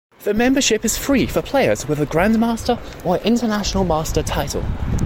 The membership is free for players with a Grandmaster or International Master title.